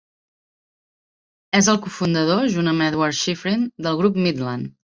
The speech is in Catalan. És el cofundador, junt amb Eduard Shifrin, del Grup Midland.